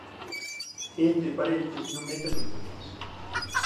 Entre parentes non metas os dentes